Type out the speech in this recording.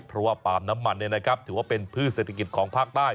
เพราะว่าปาล์มน้ำมันถือว่าเป็นพืชเศรษฐกิจของภาคใต้